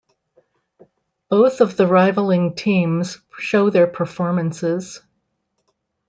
Both of the rivaling teams show their performances.